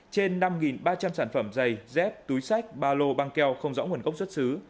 trên năm ba trăm linh sản phẩm giày dép túi sách ba lô băng keo không rõ nguồn gốc xuất xứ